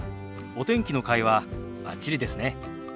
お天気の会話バッチリですね。